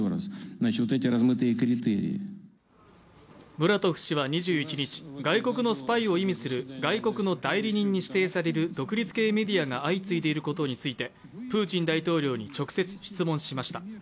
ムラトフ氏は２１日外国のスパイを意味する外国の代理人に指定される独立系メディアが相次いでいることについてプーチン大統領に直接質問しました。